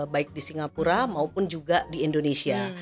baik di singapura maupun juga di indonesia